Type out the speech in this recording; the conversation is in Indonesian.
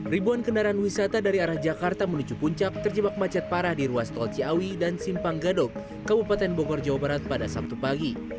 ribuan kendaraan wisata dari arah jakarta menuju puncak terjebak macet parah di ruas tol ciawi dan simpang gadok kabupaten bogor jawa barat pada sabtu pagi